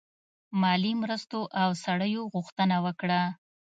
مالي مرستو او سړیو غوښتنه وکړه.